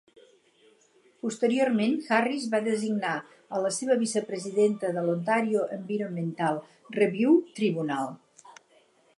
Posteriorment, Harris va designar a la seva vicepresidenta de l'Ontario Environmental Review Tribunal.